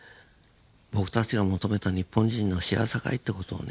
僕たちが求めた日本人の幸せかい？」って事をね